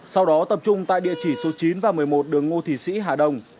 sau đó tập trung tại địa chỉ số chín và một mươi một đường ngô thị sĩ hà đông